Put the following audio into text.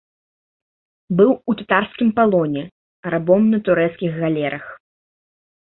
Быў у татарскім палоне, рабом на турэцкіх галерах.